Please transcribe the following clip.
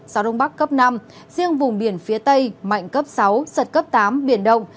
gió đông bắc cấp năm riêng vùng biển phía tây mạnh cấp sáu giật cấp tám biển động